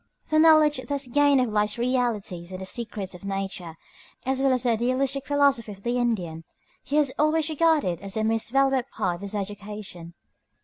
The knowledge thus gained of life's realities and the secrets of nature, as well as of the idealistic philosophy of the Indian, he has always regarded as a most valuable part of his education.